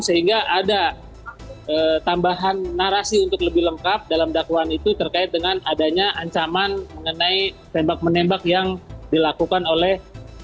sehingga ada tambahan narasi untuk lebih lengkap dalam dakwaan itu terkait dengan adanya ancaman mengenai tembak menembak yang dilakukan oleh